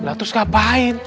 lah terus ngapain